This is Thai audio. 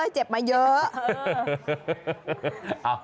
เจ็บมาเยอะ